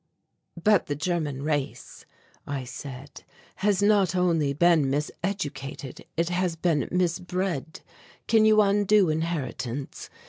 "But the German race," I said, "has not only been mis educated, it has been mis bred. Can you undo inheritance?